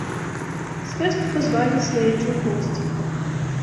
З фэсту пазвалі сваякі ў госці.